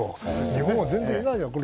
日本は全然いないじゃない。